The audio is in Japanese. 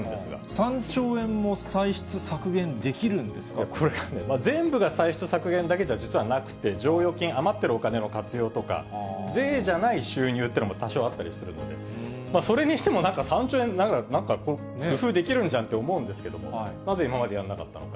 ３兆円も歳出削減できるんでこれがね、全部が歳出削減だけじゃ実はなくて、剰余金、余っているお金の活用とか、税じゃない収入というのも多少あったりするので、それにしても、なんか３兆円、なんか工夫できるんじゃんって思うんですけれども、なぜ今までやらなかったのか。